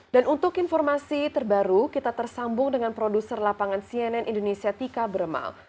dan untuk informasi terbaru kita tersambung dengan produser lapangan cnn indonesia tika bremal